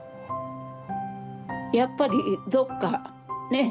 やっぱりどっかね